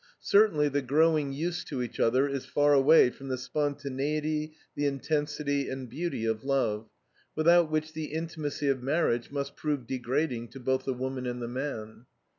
Certainly the growing used to each other is far away from the spontaneity, the intensity, and beauty of love, without which the intimacy of marriage must prove degrading to both the woman and the man.